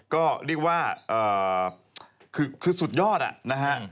ก็เรียกว่าคือสุดยอดนะฮะ